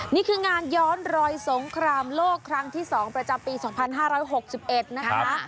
นี่คืองานย้อนรอยสงครามโลกครั้งที่๒ประจำปี๒๕๖๑นะคะ